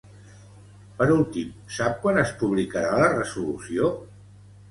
Per últim, sap quan es publicarà la resolució?